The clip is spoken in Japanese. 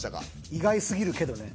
意外すぎるけどね。